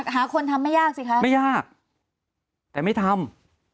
หาคนทำไม่ยากสิคะไม่ยากแต่ไม่ทำ